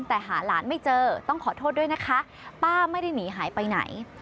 แต่หาหลานไม่เจอต้องขอโทษด้วยนะคะป้าไม่ได้หนีหายไปไหน